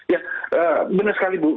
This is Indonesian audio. ya benar sekali bu